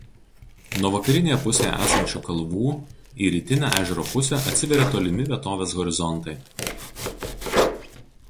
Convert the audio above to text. Nuo vakarinėje pusėje esančiu kalvų į rytinę ežero pusę atsiveria tolimi vietovės horizontai.